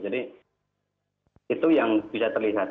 jadi itu yang bisa terlihat